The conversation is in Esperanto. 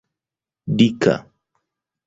dika